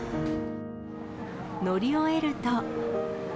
乗り終えると。